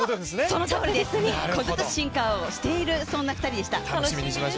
そのとおりです、進化をしている、そんな２人でした。